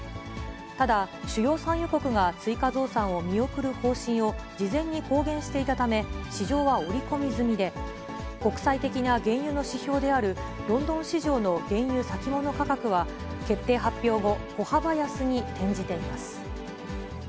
ただ主要産油国が追加増産を見送る方針を事前に公言していたため、市場は織り込み済みで、国際的な原油の指標であるロンドン市場の原油先物価格は、決定発表後、小幅安に転じています。